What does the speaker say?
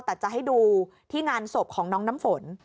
แต่จะให้ดูที่งานศพของน้องน้ำฝน